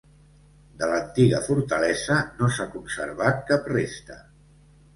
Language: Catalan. De l'antiga fortalesa no s'ha conservat cap resta.